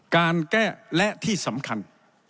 การแก้และที่สำคัญ